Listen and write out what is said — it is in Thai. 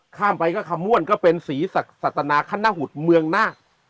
ข้ามไปก็คำม้วนก็เป็นศรีสัตนาขั้นหน้าหุดเมืองนาคต์